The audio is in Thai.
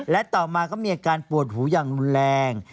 และต่อมาก็มีอาการปวดหูอย่างรุนแรง